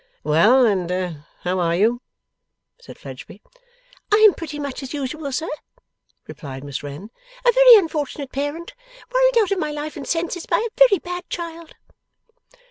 'Well, and how are you?' said Fledgeby. 'I am pretty much as usual, sir,' replied Miss Wren. 'A very unfortunate parent, worried out of my life and senses by a very bad child.